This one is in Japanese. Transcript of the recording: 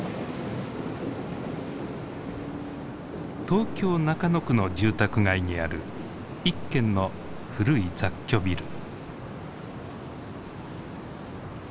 東京・中野区の住宅街にある一軒の古い雑居ビル。